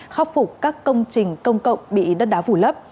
khắc phục các công trình công cộng bị đất đá vùi lấp